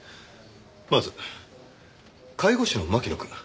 まず介護士の牧野くん。